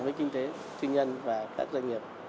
với kinh tế tư nhân và các doanh nghiệp